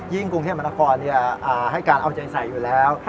กรุงเทพมนาคมให้การเอาใจใส่อยู่แล้ว